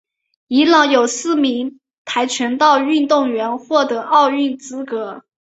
伊朗有四名跆拳道运动员获得奥运资格。